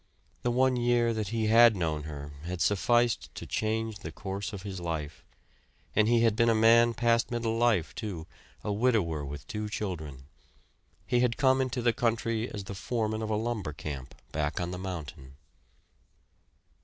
The one year that he had known her had sufficed to change the course of his life; and he had been a man past middle life, too, a widower with two children. He had come into the country as the foreman of a lumber camp back on the mountain.